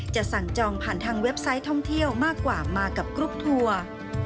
สั่งจองผ่านทางเว็บไซต์ท่องเที่ยวมากกว่ามากับกรุ๊ปทัวร์